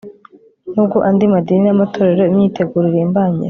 nubwo andi madini n'amatorero imyiteguro irimbanyije